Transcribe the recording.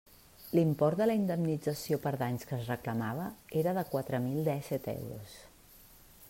L'import de la indemnització per danys que es reclamava era de quatre mil dèsset euros.